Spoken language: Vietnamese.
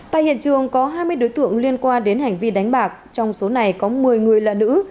tại hiện trường có hai mươi đối tượng liên quan đến hành vi đánh bạc trong số này có một mươi người là nữ